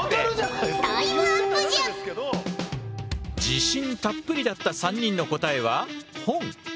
自信たっぷりだった３人の答えは「本」。